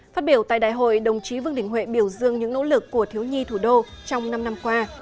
phát biểu tại đại hội đồng chí vương đình huệ biểu dương những nỗ lực của thiếu nhi thủ đô trong năm năm qua